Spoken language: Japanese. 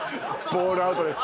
「ボール」アウトです。